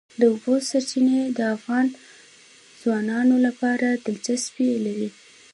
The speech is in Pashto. د اوبو سرچینې د افغان ځوانانو لپاره دلچسپي لري.